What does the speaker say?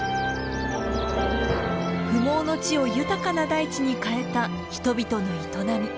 不毛の地を豊かな大地に変えた人々の営み。